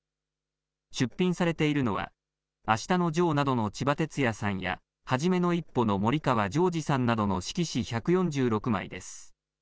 出品されているのは、あしたのジョーなどのちばてつやさんや、はじめの一歩の森川ジョージさんなどの色紙１４６枚です。